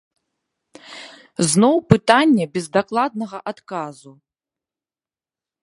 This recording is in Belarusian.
Зноў пытанне без дакладнага адказу.